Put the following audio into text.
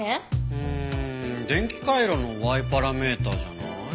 うーん電気回路のＹパラメーターじゃない？